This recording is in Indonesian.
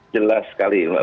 jelas sekali mbak putri